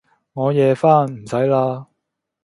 我夜返，唔使喇